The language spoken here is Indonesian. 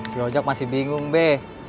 si ojak masih bingung be